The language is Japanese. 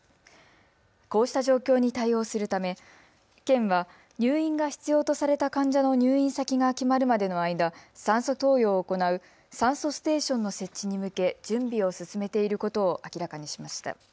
こうした状況に対応するため県は入院が必要とされた患者の入院先が決まるまでの間、酸素投与を行う酸素ステーションの設置に向け準備を進めていることを明らかにしました。